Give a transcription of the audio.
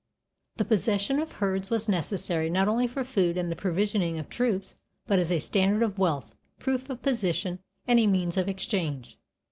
The possession of herds was necessary, not only for food and the provisioning of troops, but as a standard of wealth, a proof of position, and a means of exchange.